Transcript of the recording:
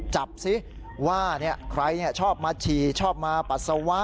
จับสิว่าใครชอบมาฉี่ชอบมาปัสสาวะ